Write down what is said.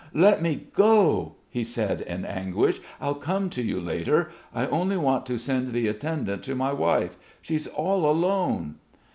"Let me go," he said in anguish. "I'll come to you later. I only want to send the attendant to my wife. She is all alone."